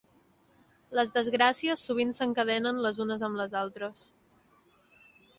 Les desgràcies sovint s'encadenen les unes amb les altres.